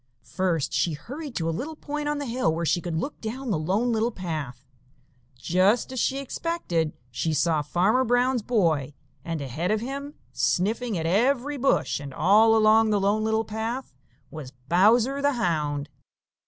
First she hurried to a little point on the hill where she could look down the Lone Little Path. Just as she expected, she saw Farmer Brown's boy, and ahead of him, sniffing at every bush and all along the Lone Little Path, was Bowser the Hound.